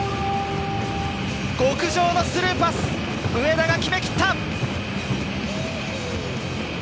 極上のスルーパス、上田が決めきった。